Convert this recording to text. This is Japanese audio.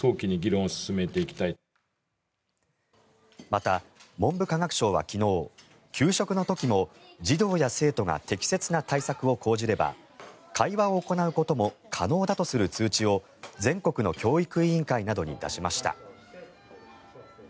また、文部科学省は昨日給食の時も児童や生徒が適切な対策を講じれば会話を行うことも可能だとする通知を全国の教育委員会などに出しました。